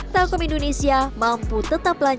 telkom indonesia mampu tetap lancar menjaga kepentingan